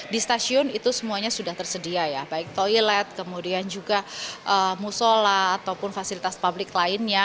di stasiun itu semuanya sudah tersedia ya baik toilet kemudian juga musola ataupun fasilitas publik lainnya